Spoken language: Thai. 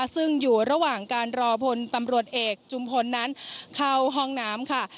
ซึ่งอยู่ระหว่างการรอพลตำรวจเอกจุมพลนั้นเข้าห้องน้ำค่ะ